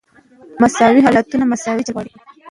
مساوي حالتونه مساوي چلند غواړي.